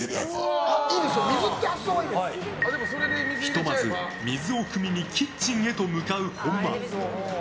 ひとまず、水をくみにキッチンへと向かう本間。